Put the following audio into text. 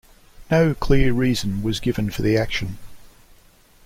No clear reason was given for the action.